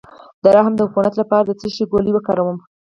د رحم د عفونت لپاره د څه شي ګولۍ وکاروم؟